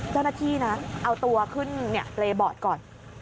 เจ้าหน้าที่นะเอาตัวขึ้นเปรย์บอร์ดก่อน